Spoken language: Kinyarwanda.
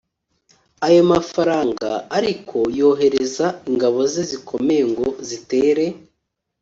ayo mafaranga ariko yohereza ingabo ze zikomeye ngo zitere